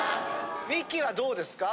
ミキはどうですか？